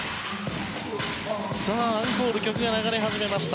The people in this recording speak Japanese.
アンコール曲が流れ始めました。